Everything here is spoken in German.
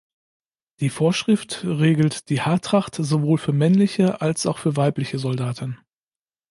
Die Vorschrift regelt die Haartracht sowohl für männliche als auch weibliche Soldaten.